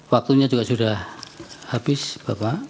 waktunya juga sudah habis bapak